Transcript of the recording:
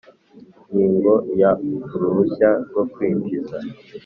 Ingingo ya uruhushya rwo kwinjiza